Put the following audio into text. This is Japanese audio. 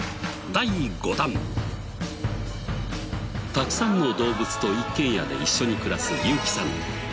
たくさんの動物と一軒家で一緒に暮らすユーキさん。